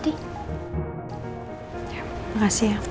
terima kasih ya